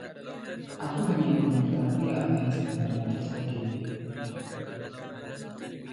Aku hanya ingin mengetahui apa yang sebenarnya terjadi.